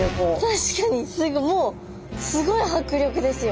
確かにもうすごい迫力ですよ。